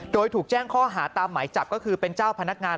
โดยถูกแจ้งข้อหาตามหมายจับก็คือเป็นเจ้าพนักงาน